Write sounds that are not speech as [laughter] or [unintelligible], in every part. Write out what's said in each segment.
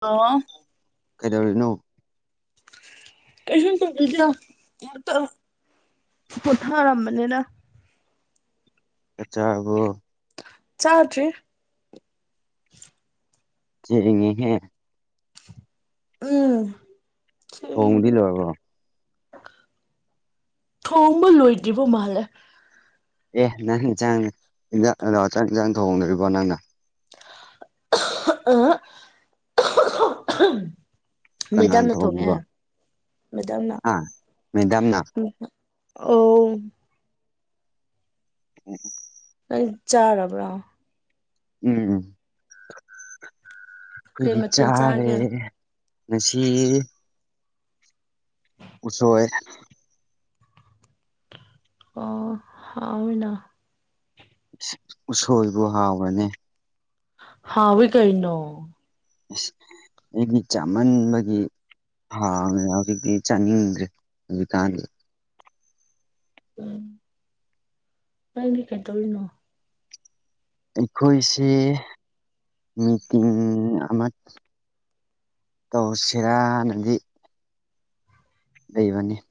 ꯑꯣ ꯀꯩꯗꯧꯔꯤꯅꯣ ꯀꯩꯁꯨꯨꯝ ꯇꯧꯔꯤꯗ ꯑꯇ ꯄꯣꯊꯥꯔꯝꯕꯅꯤꯅ ꯀꯠꯆꯥ ꯑꯕꯣ ꯆꯥ꯭ꯗꯔꯤ ꯁꯦꯉꯦ ꯎꯝ ꯊꯣꯡꯗꯤ ꯂꯣꯏꯔꯕꯣ ꯊꯣꯡꯕ ꯂꯣꯏꯗ꯭ꯔꯤꯕ ꯃꯥꯜꯂꯦ ꯑꯦ ꯅꯪ ꯏꯟꯁꯥꯡ ꯏꯟꯖꯥꯡ ꯑꯗ ꯆꯥꯛ ꯌꯦꯟꯁꯥꯡ ꯊꯣꯡꯍꯣꯡꯅꯣꯔꯤꯕꯣ ꯅꯪꯅ ꯑ [unintelligible] ꯀꯅꯥꯅ ꯃꯦꯗꯥꯝꯅ ꯊꯣꯡꯉꯦ ꯃꯦꯗꯥꯝꯅ ꯑꯥ ꯃꯗꯥꯝꯅ ꯑꯣ ꯎꯝ ꯑꯩ ꯆꯥꯔꯕ꯭ꯔ ꯎꯝ ꯀꯩ ꯐꯗꯤ ꯃꯊꯦꯜ ꯆꯥꯔꯦ ꯆꯥꯒꯦ ꯉꯁꯤ ꯎꯁꯣꯏ ꯑꯣ ꯍꯥꯎꯅꯥ ꯎꯁꯣꯏꯕꯨ ꯍꯥꯎꯕꯅꯤ ꯍꯥꯎꯕꯤ ꯀꯩꯩꯅꯣ ꯑ ꯑꯩꯒꯤ ꯆꯃꯟꯕꯒꯤ ꯍꯥꯎ ꯍꯧꯖꯤꯛꯇꯤ ꯆꯥꯅꯤꯡꯈ꯭ꯔꯦ ꯍꯧꯖꯤꯛꯀꯥꯟꯗꯦ ꯎꯝ ꯅꯪꯗꯤ ꯀꯩ ꯇꯧꯔꯤꯅꯣ ꯑꯩꯈꯣꯏꯁ ꯃꯤꯇꯤꯡ ꯑꯃꯥ ꯇꯧ ꯁꯦꯔꯥ ꯅꯗꯤ ꯂꯩꯕꯅꯤ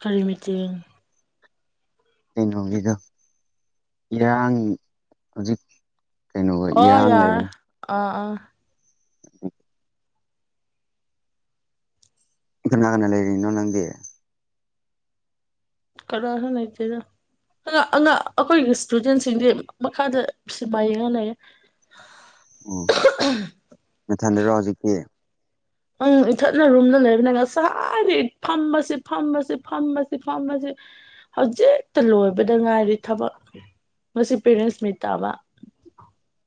ꯀꯔꯤ ꯃꯤꯇꯤꯡ ꯀꯩꯅꯣꯒꯤꯗꯣ ꯏꯔꯥꯡ ꯍꯧꯖꯤꯛ ꯀꯩꯅꯣ ꯑꯣ ꯏꯔꯥꯡ ꯂꯩ ꯌꯥꯔꯦ ꯑ ꯑ [inaudible] ꯀꯅꯥ ꯀꯅꯥ ꯂꯩꯔꯤꯅꯣ ꯅꯪꯗꯤ ꯀꯅꯥꯁꯨ ꯂꯩꯇꯦꯗ ꯑꯥꯡ ꯑꯉꯥꯡ ꯑꯩꯈꯣꯏꯒꯤ ꯏꯁꯇꯨꯗꯦꯟꯁꯤꯡꯗꯤ ꯃꯈꯥꯗ ꯁꯤꯃꯥꯏ ꯌꯦꯡꯉ ꯂꯩꯌꯦ [unintelligible] ꯑꯣ ꯃꯊꯟꯗꯔꯣ ꯍꯧꯖꯤꯛꯇꯤ ꯎꯝ ꯏꯊꯠꯅ ꯔꯨꯝꯅ ꯂꯩꯕꯅꯤ ꯉꯁꯥꯏ ꯍꯥꯏꯗꯤ ꯐꯝꯃꯁꯤ ꯐꯝꯃꯁꯤ ꯐꯝꯃꯁꯤ ꯐꯝꯃꯁꯤ ꯍꯧꯖꯤꯦꯛꯇ ꯂꯣꯏꯕꯗ ꯉꯥꯏꯔꯤ ꯊꯕꯛ ꯉꯁꯤ ꯄꯦꯔꯦꯟꯁ ꯃꯤꯠ ꯇꯥꯕ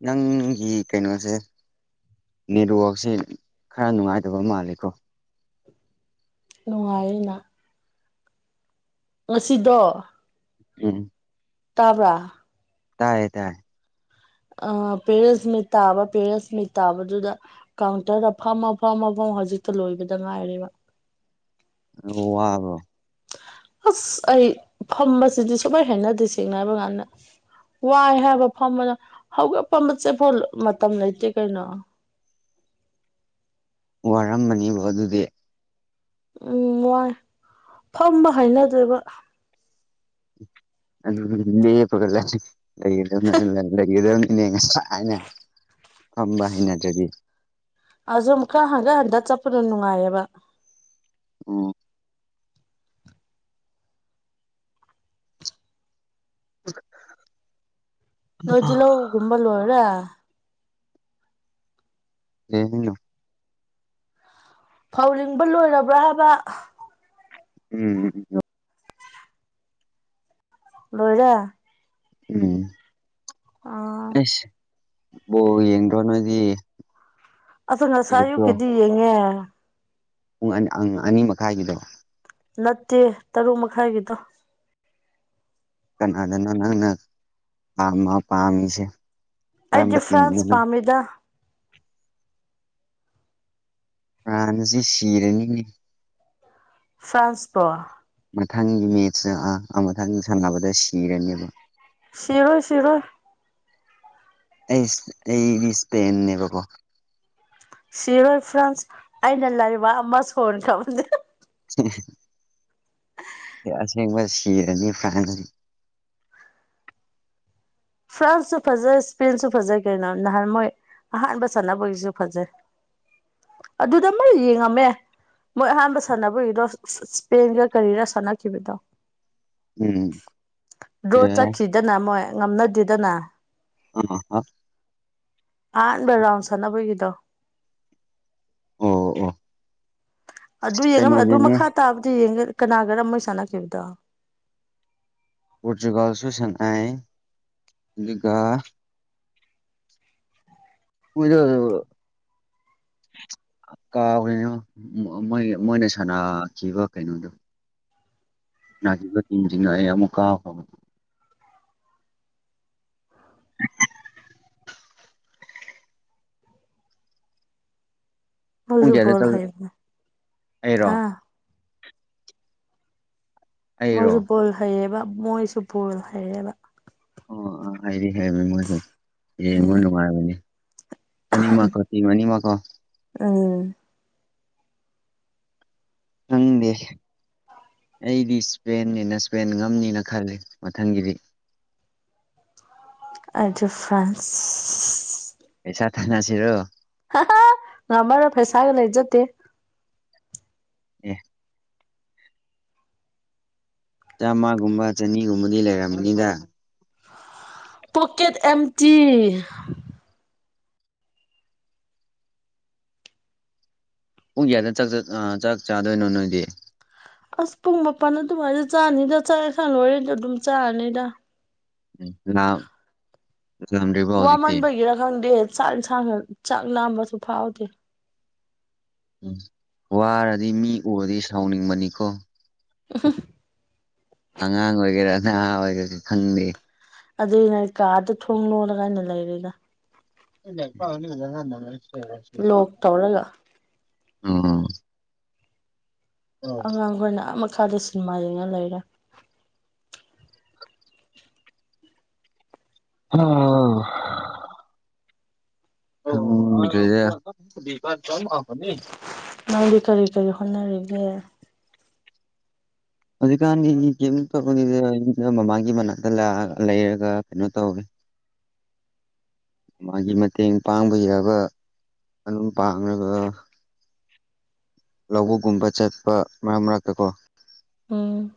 ꯅꯪꯒꯤ ꯀꯩꯅꯣꯁꯦ ꯅꯦꯠꯋꯛꯁꯦ ꯈꯔ ꯅꯨꯡꯉꯥꯏꯇꯕ ꯃꯥꯜꯂꯦꯀꯣ ꯅꯨꯡꯉꯥꯏꯅ ꯉꯁꯤꯗꯣ ꯎꯝ ꯇꯥꯕ꯭ꯔꯥ ꯇꯥꯏꯌꯦ ꯇꯥꯏ ꯑ ꯄꯦꯔꯁꯃꯤꯠ ꯇꯥꯕ ꯄꯦꯔꯁꯃꯤꯠ ꯇꯥꯕꯗꯨꯗ ꯀꯥꯎꯟꯇꯔꯗ ꯐꯝꯃ ꯐꯝꯃ ꯐꯝ ꯍꯧꯖꯤꯛꯇ ꯂꯣꯏꯕꯗ ꯉꯥꯏꯔꯦꯕ ꯑꯣ ꯋꯥ ꯑꯁ ꯑꯩ ꯐꯝꯕꯁꯤꯗꯤ ꯁꯨꯃꯩ ꯍꯥꯏꯅꯗꯦ ꯁꯦꯡꯅ ꯍꯥꯏꯕ ꯀꯥꯟꯗ ꯋꯥꯏ ꯍꯥꯏꯕ ꯐꯝꯕꯅ ꯍꯧꯒꯠꯄ ꯃꯆꯦꯠꯐꯥꯎ ꯃꯇꯝ ꯂꯩꯇꯦ ꯀꯩꯅꯣ ꯋꯥꯔꯝꯕꯅꯦꯕꯣ ꯑꯗꯨꯗꯤ ꯎꯝ ꯋꯥꯏ ꯐꯝꯕ ꯍꯩꯅꯗꯦꯕ ꯑꯗꯨꯗꯤ ꯂꯦꯞꯄꯒ ꯂꯩꯖꯤꯛ ꯂꯩꯒꯗꯕꯅꯤ ꯏꯅꯦ ꯉꯁꯥꯏꯅ ꯐꯝꯕ ꯍꯩꯅꯗ꯭ꯔꯗꯤ ꯑꯥꯖꯨ ꯃꯨꯛꯀ ꯍꯟꯒꯠ ꯍꯟꯗꯥ ꯆꯠꯄꯗꯣ ꯅꯨꯡꯉꯥꯏꯌꯦꯕ ꯑꯣ [unintelligible] ꯅꯣꯏꯗꯤ ꯂꯧꯒꯨꯝꯕ ꯂꯣꯏꯔꯦ ꯀꯦ ꯍꯥꯏꯅꯣ ꯐꯧ ꯂꯤꯡꯕ ꯂꯣꯏꯔꯕ꯭ꯔꯥ ꯍꯥꯏꯕ ꯎꯝ ꯂꯣꯏꯔꯦ ꯎꯝ ꯑꯥ ꯑꯦꯁ ꯕꯣꯜ ꯌꯦꯡꯗ꯭ꯔꯣ ꯅꯣꯏꯗꯤ ꯑꯗꯨ ꯉꯁꯥꯏ ꯑꯌꯨꯛꯇꯣ ꯑꯌꯨꯛꯀꯤꯗꯤ ꯌꯦꯡꯉꯦ ꯄꯨꯡ ꯑꯟ ꯑꯪ ꯑꯅꯤ ꯃꯈꯥꯏꯒꯤꯗꯣ ꯅꯠꯇꯦ ꯇꯔꯨꯛ ꯃꯈꯥꯏꯒꯤꯗꯣ ꯀꯅꯥꯗꯅꯣ ꯅꯪꯅ ꯄꯥꯃ ꯄꯥꯝꯃꯤꯁꯦ ꯀꯔꯝꯕ ꯑꯩꯗꯤ ꯐ꯭ꯔꯥꯟꯁ ꯇꯤꯝꯗꯅꯣ ꯄꯥꯝꯃꯤꯗ ꯐ꯭ꯔꯥꯟꯖꯤ ꯁꯤꯔꯅꯤꯅꯦ ꯐ꯭ꯔꯥꯟꯁꯄꯣ ꯃꯊꯪꯒꯤ ꯃꯦꯠꯁꯇ ꯑꯥ ꯃꯊꯪ ꯁꯥꯟꯅꯕꯗ ꯁꯤꯔꯅꯦꯕ ꯁꯤꯔꯣꯏ ꯁꯤꯔꯣꯏ ꯑꯦꯁ ꯑꯩꯗꯤ ꯏꯁꯄꯦꯟꯅꯦꯕꯀꯣ ꯁꯤꯔꯣꯏ ꯐ꯭ꯔꯥꯟꯁ ꯑꯩꯅ ꯂꯩꯕꯥꯛ ꯑꯃ ꯁꯣꯟꯈ꯭ꯔꯕꯅꯦ ꯑꯁꯦꯡꯕ ꯁꯤꯔꯅꯤ ꯐ꯭ꯔꯥꯟ ꯐ꯭ꯔꯥꯟꯁꯁꯨ ꯐꯖꯩ ꯏꯁꯄꯦꯟꯁꯨ ꯐꯖꯩ ꯀꯩꯅꯣ ꯅꯍꯥꯟ ꯃꯣꯏ ꯑꯍꯥꯟꯕ ꯁꯥꯟꯅꯕꯒꯤꯁꯨ ꯐꯖꯩ ꯑꯗꯨꯗ ꯑꯃ ꯌꯦꯡꯉꯝꯃꯦ ꯃꯣꯏ ꯑꯍꯥꯟꯕ ꯁꯥꯟꯅꯕꯒꯤꯗꯣ ꯏꯁꯄꯦꯟꯒ ꯀꯔꯤꯔ ꯁꯥꯟꯅꯈꯤꯕꯗꯣ ꯎꯝ ꯗ꯭ꯔꯣ ꯑꯦ ꯆꯠꯈꯤꯗꯅ ꯃꯣꯏ ꯉꯝꯅꯗꯦꯗꯅ ꯑꯍꯥ ꯑꯍꯥꯟꯕ ꯔꯥ꯭ꯎꯟ ꯁꯅꯕꯒꯤꯗꯣ ꯑꯣ ꯑꯣ ꯑꯗꯨ ꯌꯦꯡꯉꯝꯃꯦ ꯑꯗꯨ ꯀꯩꯅꯣꯒꯤꯅꯦ ꯃꯈꯥ ꯇꯥꯕꯗꯤ ꯌꯦꯡꯒꯦ ꯀꯅꯥꯒꯔ ꯃꯣꯏ ꯁꯥꯟꯅꯈꯤꯕꯗꯣ ꯄꯣꯔꯇꯨꯒꯜꯁꯨ ꯁꯥꯟꯅꯩ ꯑꯗꯨꯒ ꯀꯨꯏꯗ ꯑꯗꯨꯒ ꯀꯥꯎꯒ꯭ꯔꯦꯅꯦ ꯃꯣꯏ ꯃꯣꯏꯒꯤ ꯃꯣꯏꯅ ꯁꯥꯟꯅꯈꯤꯕ ꯀꯩꯅꯣꯗꯣ [unintelligible] ꯄꯨꯡ ꯃꯣꯏꯖꯨ ꯀꯌꯥꯗ ꯕꯣꯜ ꯆꯠꯂ ꯍꯩꯕꯅꯤ ꯑꯩꯔꯣ ꯍꯥ ꯑꯩꯔꯣ ꯃꯣꯏꯁꯨ ꯕꯣꯜ ꯍꯩꯌꯦꯕ ꯃꯣꯏꯁꯨ ꯕꯣꯜ ꯍꯩꯌꯦꯕ ꯑꯣ ꯑꯥ ꯍꯩꯗꯤ ꯍꯩꯕꯅꯤ ꯃꯣꯏꯁꯨ ꯌꯦꯡꯕ ꯎꯝ ꯅꯨꯡꯉꯥꯏꯕꯅꯤ ꯑꯅꯤꯃꯛ ꯀꯣ ꯇꯤꯝ ꯑꯅꯤꯃꯛꯀꯣ ꯎꯝ ꯈꯪꯗꯦꯁ ꯑꯩꯗꯤ ꯏꯁꯄꯦꯟꯅꯤꯅ ꯏꯁꯄꯦꯟ ꯉꯝꯅꯤꯅ ꯈꯜꯂꯤ ꯃꯊꯪꯒꯤꯗꯤ ꯑꯗꯨ ꯐ꯭ꯔꯥꯟꯁ ꯄꯩꯁꯥ ꯊꯥꯅꯁꯤꯔꯣ ꯍꯥ ꯍꯥ ꯉꯝꯃꯔꯣꯏ ꯐꯩꯁꯥꯒ ꯂꯩꯖꯗꯦ ꯑꯦ ꯆꯥꯝꯃꯒꯨꯝꯕ ꯆꯅꯤꯒꯨꯝꯕꯗꯤ ꯂꯩꯔꯝꯒꯅꯤꯗꯥ ꯄꯣꯛꯀꯦꯠ ꯑꯦꯝꯇꯤ ꯄꯨꯡ ꯀꯌꯥꯗ ꯆꯥꯛꯆꯠ ꯑ ꯆꯥꯛ ꯆꯥꯗꯣꯏꯅꯣ ꯅꯣꯏꯗꯤ ꯑꯁ ꯄꯨꯡ ꯃꯥꯄꯜ ꯑꯗꯨꯃꯥꯏꯗ ꯆꯥꯔꯅꯤꯗ ꯆꯠꯂꯦ ꯈꯪ ꯂꯣꯏꯔꯦꯗ ꯑꯗꯨꯝ ꯆꯥꯔꯅꯤꯗ [inaudible] [inaudible] ꯋꯥꯃꯟꯕꯒꯤꯔ ꯈꯪꯗꯦ ꯆꯥꯛ ꯌꯦꯟꯁꯥꯡ ꯆꯥꯛ ꯅꯥꯝꯕꯁꯨ ꯐꯥꯎꯗꯦ ꯎꯝ ꯋꯥꯔꯗꯤ ꯃꯤ ꯎꯔꯗꯤ ꯁꯥꯎꯅꯤꯡꯕꯅꯤꯀꯣ ꯑꯍ ꯑꯉꯥꯡ ꯑꯣꯏꯒꯦꯔꯥ ꯅꯍꯥ ꯑꯣꯏꯒꯦꯔꯥꯁꯨ ꯈꯪꯗꯦ ꯑꯗꯨꯏ ꯅ ꯀꯥꯗ ꯊꯣꯡ ꯂꯣꯜꯂꯒꯥꯏꯅ ꯂꯩꯔꯗ ꯏ ꯄꯥꯎꯗꯥꯟꯅꯦ ꯂꯣꯛ ꯇꯧꯔꯒ ꯎꯝ ꯑꯉꯥꯡꯈꯣꯏꯅ ꯑꯃ ꯃꯈꯥꯗ ꯁꯤꯅꯦꯃꯥ ꯌꯦꯡꯉ ꯂꯩꯔꯦ ꯍ ꯎꯝ ꯅꯪꯗꯤ ꯀꯔꯤ ꯀꯔꯤ ꯍꯣꯠꯅꯔꯤꯒꯦ ꯍꯧꯖꯤꯛꯀꯥꯟꯗꯤ ꯀꯔꯤꯝ ꯇꯧꯄꯗ ꯑꯩ ꯃꯃꯥꯡꯒꯤ ꯃꯅꯥꯛꯇ ꯂꯩꯔꯒ ꯀꯩꯅꯣ ꯇꯧꯒꯦ ꯃꯥꯒꯤ ꯃꯇꯦꯡ ꯄꯥꯡꯕ ꯌꯥꯕ ꯃꯅꯨꯡ ꯄꯥꯡꯂꯒ ꯂꯧꯕꯨꯛꯒꯨꯝꯕ ꯆꯠꯄ ꯃꯔꯛ ꯃꯔꯛꯇ ꯀꯣ ꯎꯝ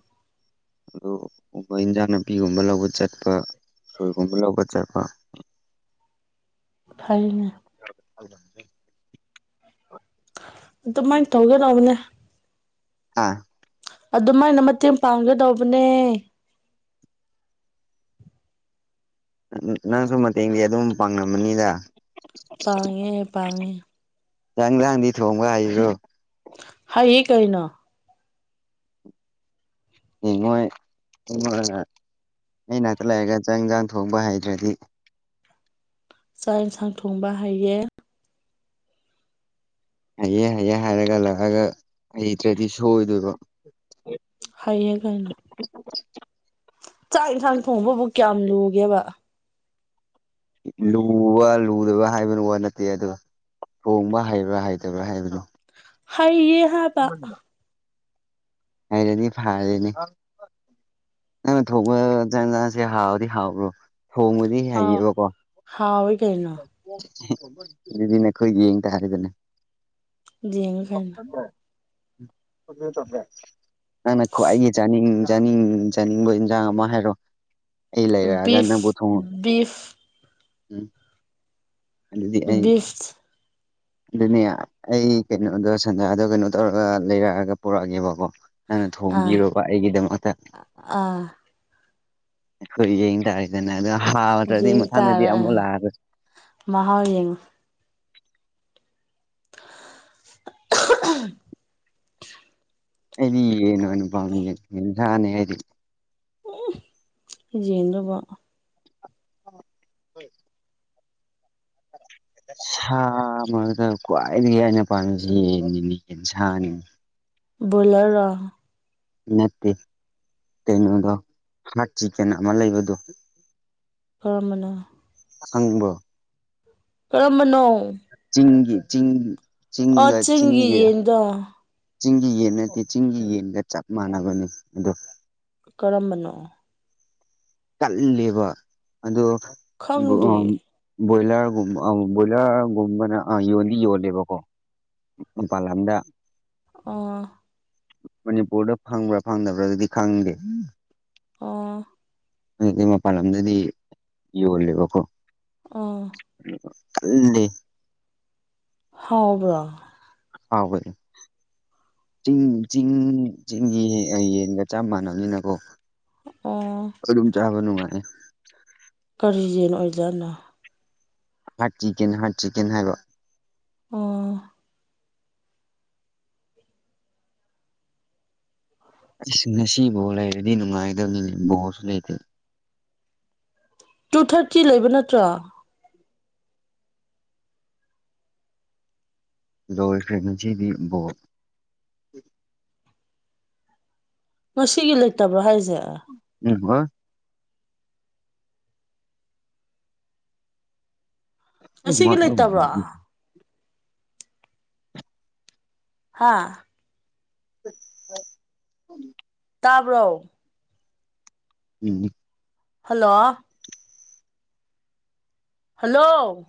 ꯑꯗꯨꯕ ꯏꯟꯖꯥꯡ ꯅꯥꯄꯤꯒꯨꯝꯕ ꯂꯧꯕ ꯆꯠꯄ ꯁꯣꯏꯒꯨꯝꯕ ꯂꯧꯕ ꯆꯠꯄ ꯐꯔꯤꯅꯦ [unintelligible] ꯑꯗꯨꯃꯥꯏꯅ ꯇꯧꯒꯗꯧꯕꯅꯦ ꯍꯥ ꯑꯗꯨꯃꯥꯏꯅ ꯃꯇꯦꯡ ꯄꯥꯡꯒꯗꯧꯕꯅꯦ ꯅꯪꯁꯨ ꯃꯇꯦꯡꯗꯤ ꯑꯗꯨꯝ ꯄꯥꯡꯉꯃꯅꯤꯗ ꯄꯥꯡꯉꯦ ꯄꯥꯡꯉꯦ ꯌꯥꯪ ꯂꯥꯡꯗꯤ ꯊꯣꯡꯕ ꯍꯥꯏꯔꯣ ꯍ ꯍ ꯀꯥꯏꯅꯣ ꯏꯉꯣꯏ ꯏꯣ ꯑ ꯥꯛꯇ ꯂꯩꯔꯒ ꯆꯪꯖꯥꯡ ꯊ ꯊꯣꯛꯄ ꯍꯥꯏꯗ꯭ꯔꯗꯤ ꯆꯥꯛ ꯌꯦꯟꯁꯥꯡ ꯊꯣꯡꯕ ꯍꯥꯏꯩꯌꯦ ꯍꯩꯑ ꯍꯩꯑꯦ ꯍꯥꯏꯔꯒ ꯂꯥꯛꯑꯒ ꯍꯩꯇ꯭ꯔꯗꯤ ꯁꯣꯏꯗꯣꯏꯕ ꯍꯩꯌꯦ ꯀꯩꯅꯣ ꯆꯥꯛ ꯌꯦꯟꯁꯥꯡ ꯊꯣꯡꯕꯕꯨ ꯀꯌꯥꯝ ꯂꯨꯒꯦꯕ ꯂꯨꯕ ꯂꯨꯗꯕ꯭ꯔꯥ ꯍꯥꯏꯕꯅꯣ ꯋꯥ ꯅꯠꯇꯦ ꯑ ꯊꯣꯡꯕ ꯍꯩꯕ꯭ꯔꯥ ꯍꯩꯇꯕ꯭ꯔꯥ ꯍꯥꯏꯕꯅꯣ ꯍꯩ ꯌꯦ ꯍꯥ ꯀꯗ ꯍꯥꯏꯔꯅꯤ ꯐꯥꯔꯅꯦ ꯅꯪꯅ ꯊꯣꯡꯕ ꯆ ꯆꯁꯦ ꯍꯥꯎꯕꯗꯤ ꯍꯥꯎꯕ꯭ꯔꯣ ꯊꯣꯡꯕꯗꯤ ꯍꯥꯎ ꯍꯩꯌꯦꯕꯀꯣ ꯍꯥꯎ ꯀꯅ ꯑꯗꯨꯗꯤ ꯅꯈꯣꯏ ꯌꯦꯡ ꯇꯔꯗꯨꯅꯦ ꯌꯦꯡꯉꯨ ꯀꯩꯅꯣ ꯃꯦ ꯑꯗꯨ ꯊꯃꯦꯃꯦ ꯅꯪꯅ ꯈ꯭ꯋꯥꯏꯒꯤ ꯆꯥꯅꯤꯡ ꯆꯥꯅꯤꯡ ꯆꯥꯅꯤꯡꯕ ꯏꯟꯁꯥꯡ ꯑꯃ ꯍꯥꯏꯔꯣ ꯏ ꯂꯩ ꯂꯩꯔ ꯑꯒ ꯕꯤꯐ ꯅꯪꯕꯨ ꯊꯣꯉꯨ ꯕꯤꯐ ꯑꯗꯨꯗꯤ ꯑꯩ [unintelligible] ꯑꯗꯨꯅꯦ ꯑꯩ ꯀꯩꯅꯣꯗꯣ ꯁꯟꯗꯗꯣ ꯀꯩꯅꯣ ꯇꯧꯔꯒ ꯂꯩꯔꯛꯑꯒ ꯄꯨꯔꯛꯑꯒꯦꯕꯀꯣ ꯅꯪꯅ ꯑꯥ ꯊꯣꯡꯕꯤꯔꯨꯕ ꯑꯩꯒꯤꯗꯃꯛꯇ ꯑꯥ ꯍꯣꯏ ꯌꯦꯡ ꯇꯥꯔꯦ ꯗꯅ ꯑꯗꯨ ꯍꯥꯎꯗ꯭ꯔꯗꯤ ꯌꯦꯡ ꯃꯊꯪꯗꯗꯤ ꯇꯥꯔꯦ ꯑꯃꯨꯛ ꯑꯥ ꯂꯥꯛꯑ ꯃꯍꯥꯎ ꯌꯦꯡ [unintelligible] ꯑꯗꯤ ꯌꯦꯟꯅ ꯅꯣꯏꯅ ꯄꯥꯝꯃꯦ ꯌꯦꯟ ꯆꯥꯅꯤ ꯅꯩꯗꯤ ꯌꯦꯟ ꯗꯨꯕꯨ ꯍꯣꯏ [unintelligible] ꯁꯥ ꯑꯃꯗ ꯈ꯭ꯋꯥꯏꯗꯒꯤ ꯑꯩꯅ ꯄꯥꯟꯃꯤꯁꯤ ꯌꯦꯟꯅꯤꯅꯦ ꯌꯦꯟꯁꯥꯅꯤꯅꯦ ꯕꯣꯏꯂꯔ ꯔꯣ ꯅꯠꯇꯦ ꯀꯩꯅꯣꯗ ꯍꯥꯔꯠ ꯆꯤꯀꯟ ꯑꯃ ꯂꯩꯕꯗꯣ ꯀꯔꯝꯕꯅꯣ ꯊꯪꯕ [inaudible] ꯀꯔꯝꯕꯅꯣ ꯆꯤꯡꯒꯤ ꯆꯤꯡ ꯑꯣ ꯆꯤꯡꯒ ꯆꯤꯡꯒꯤ ꯌꯦꯟꯗꯣ ꯆꯤꯡꯒꯤ ꯌꯦꯟ ꯅꯠꯇꯦ ꯆꯤꯡꯒꯤ ꯌꯦꯟꯒ ꯆꯞ ꯃꯥꯟꯅꯕꯅꯤ ꯑꯗꯣ ꯀꯔꯝꯕꯅꯣ ꯀꯜꯂꯦꯕ ꯑꯗꯣ ꯈꯪꯗꯤꯌꯦ ꯕꯣꯏꯂꯔꯒꯨꯝꯕ ꯑ ꯕꯣꯏꯂꯔꯒꯨꯝꯕꯅ ꯑ ꯌꯣꯟꯗꯤ ꯌꯣꯜꯂꯦꯕꯀꯣ ꯃꯄꯥꯟ ꯂꯝꯗ ꯑꯥ ꯃꯅꯤꯄꯨꯔꯗ ꯐꯪꯕ꯭ꯔꯥ ꯐꯪꯗꯕ꯭ꯔꯥ ꯑꯗꯨꯗꯤ ꯈꯪꯗꯦ ꯑꯣ ꯑꯗꯨꯗꯤ ꯃꯄꯥꯟ ꯂꯝꯗꯗꯤ ꯌꯣꯜꯂꯦꯕꯀꯣ ꯑꯥ ꯀꯜꯂꯦ ꯍꯥꯎꯕ꯭ꯔꯥ ꯍꯥꯎꯕꯅꯦ ꯆꯤꯡ ꯆꯤꯡ ꯆꯤꯡꯒꯤ ꯌꯦꯟꯒ ꯆꯞ ꯃꯥꯟꯅꯕꯅꯤꯅꯀꯣ ꯑꯥ ꯑꯗꯨꯝ ꯆꯥꯕ ꯅꯨꯡꯉꯥꯏꯌꯦ ꯀꯔꯤ ꯌꯦꯟ ꯑꯣꯏꯖꯥꯠꯅꯣ ꯍꯥꯔꯠ ꯆꯤꯛꯀꯦꯟ ꯍꯥꯔꯠ ꯆꯤꯛꯀꯦꯟ ꯍꯥꯏꯕ ꯑꯥ ꯑꯁ ꯉꯁꯤ ꯕꯣꯜ ꯂꯩꯔꯗꯤ ꯅꯨꯡꯉꯥꯏꯗꯕꯅꯤ ꯕꯣꯜꯁꯨ ꯂꯩꯇꯦ ꯇꯨ ꯊꯥꯔꯇꯤ ꯂꯩꯕ ꯅꯠꯇ꯭ꯔꯣ ꯂꯣꯏꯈꯔ꯭ꯦ ꯉꯁꯤꯗꯤ ꯕꯣꯜ ꯉꯁꯤꯒꯤ ꯂꯩꯇꯕ꯭ꯔꯣ ꯍꯥꯏꯔꯤꯁꯦ ꯎꯝ ꯍ ꯎꯝ ꯑꯁꯤꯒꯤ ꯂꯩꯇꯕ꯭ꯔꯣ ꯍꯥꯥ [inaudible] ꯇꯥꯕ꯭ꯔꯣ ꯎꯝ ꯍꯜꯂꯣ ꯍꯜꯂꯣ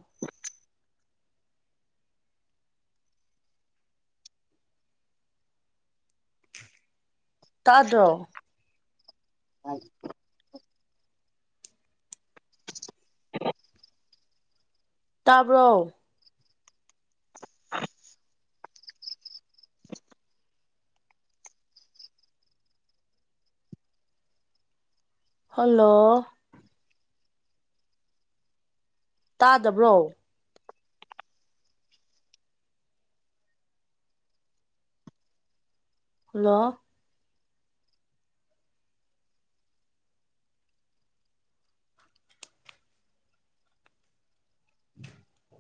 ꯇꯥꯗ꯭ꯔꯣ ꯑ [inaudible] ꯇꯥꯕ꯭ꯔꯣ [inaudible] ꯍꯜꯂꯣ ꯇꯥꯗꯕ꯭ꯔꯣ ꯍꯜꯂꯣ ꯎꯝ